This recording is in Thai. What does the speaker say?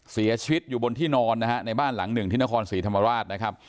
เสียชีวิตอยู่บนที่นอนนะฮะในบ้านหลังหนึ่งที่นครศรีธรรมราชนะครับ